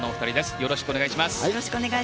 よろしくお願いします。